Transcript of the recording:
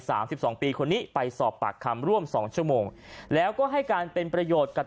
สิบสองปีคนนี้ไปสอบปากคำร่วมสองชั่วโมงแล้วก็ให้การเป็นประโยชน์กับ